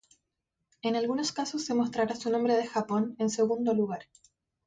En algunos casos se mostrará su nombre de Japón en segundo lugar.